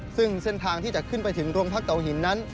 ซึ่งเส้นทางที่จะขึ้นไปถึงโรงพักเตาหินนั้น